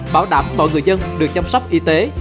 bảo đảm mọi người dân được chăm sóc y tế